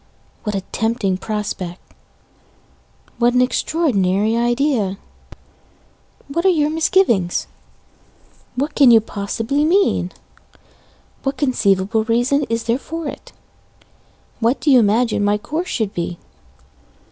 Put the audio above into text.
What a tempting prospect! What an extraordinary idea! What are your misgivings? What can you possibly mean? What conceivable reason is there for it? What do you imagine my course should be?